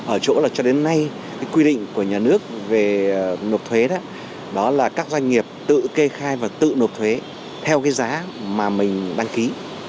ở chỗ là cho đến nay quy định của nhà nước về nộp thuế đó là các doanh nghiệp tự kê khai và tự nộp thuế theo cái giá mà mình đăng ký